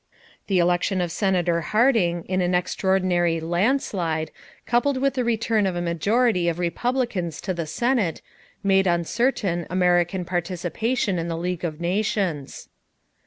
The election of Senator Harding, in an extraordinary "landslide," coupled with the return of a majority of Republicans to the Senate, made uncertain American participation in the League of Nations.